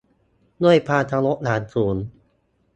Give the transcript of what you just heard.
ด้วยความเคารพอย่างสูง